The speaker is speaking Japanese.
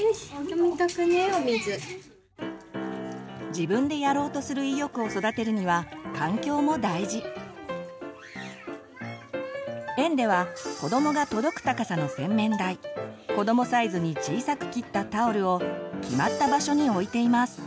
自分でやろうとする園では子どもが届く高さの洗面台子どもサイズに小さく切ったタオルを決まった場所に置いています。